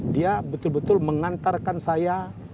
dia betul betul mengantarkan saya